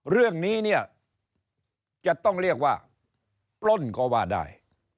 เรื่องนี้เนี่ยจะต้องเรียกว่าปล้นก็ว่าได้